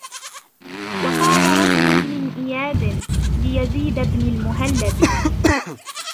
وَقَالَ رَجُلٌ مِنْ إيَادٍ لِيَزِيدَ بْنِ الْمُهَلَّبِ